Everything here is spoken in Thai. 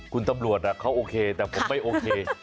คุณตำรวจเขาโอเคแต่ผมไม่โอเค